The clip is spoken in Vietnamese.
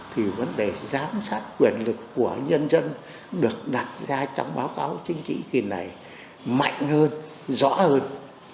thì vấn đề giám sát quyền lực của nhân dân được đặt ra trong báo cáo chính trị kỳ này mạnh hơn rõ hơn